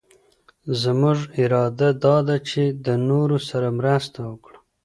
زمونږ اراده دا ده چي د نورو سره مرسته وکړو.